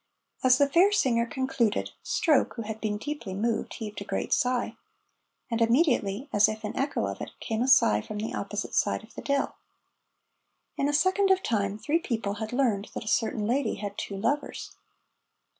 As the fair singer concluded, Stroke, who had been deeply moved, heaved a great sigh, and immediately, as if in echo of it, came a sigh from the opposite side of the dell. In a second of time three people had learned that a certain lady had two lovers.